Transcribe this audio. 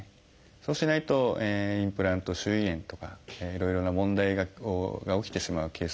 そうしないとインプラント周囲炎とかいろいろな問題が起きてしまうケースが多いです。